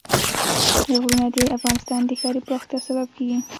غرونه د افغانستان د ښاري پراختیا سبب کېږي.